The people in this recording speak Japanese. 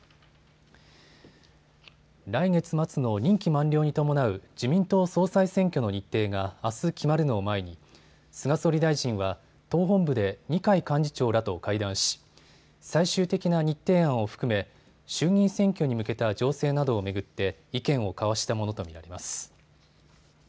来月末の任期満了に伴う自民党総裁選挙の日程があす決まるのを前に菅総理大臣は党本部で二階幹事長らと会談し、最終的な日程案を含め衆議院選挙に向けた情勢などを巡って、意見を交わしたものと見られます。